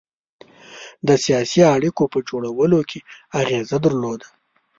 د سیاسي اړېکو په جوړولو کې اغېزه درلوده.